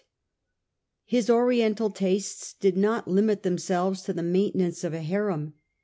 His Oriental tastes did not limit themselves to the maintenance of a harem.